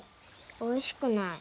おいしくない。